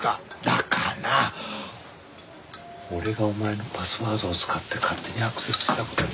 だから俺がお前のパスワードを使って勝手にアクセスした事にすればいいの。